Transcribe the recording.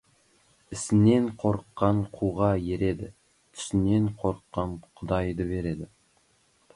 Ісінен қорыққан қуға ереді, түсінен қорыққан құдайы береді.